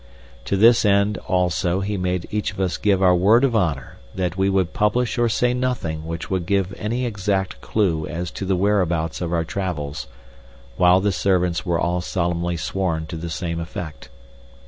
To this end also he made each of us give our word of honor that we would publish or say nothing which would give any exact clue as to the whereabouts of our travels, while the servants were all solemnly sworn to the same effect.